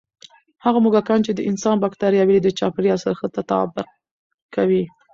هغه موږکان چې د انسان بکتریاوې لري، د چاپېریال سره ښه تطابق کوي.